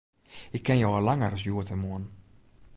Ik ken jo al langer as hjoed en moarn.